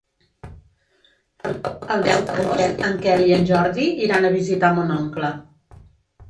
El deu d'agost en Quel i en Jordi iran a visitar mon oncle.